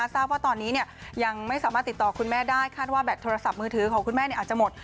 ทราบว่าตอนนี้ยังไม่สามารถติดต่อคุณแม่ได้คาดว่าแบตโทรศัพท์มือถือของคุณแม่อาจจะหมด